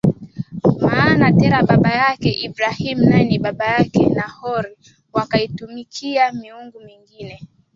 maana Tera baba yake Ibrahimu naye ni baba yake Nahori wakaitumikia miungu mingine